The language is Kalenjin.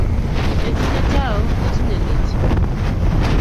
Netinye tao kotinye let